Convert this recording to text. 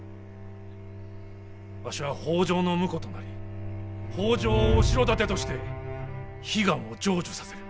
わしは北条の婿となり北条を後ろ盾として悲願を成就させる。